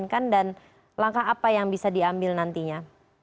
begitu sebenarnya apa yang mereka inginkan dan langkah apa yang bisa diambil nantinya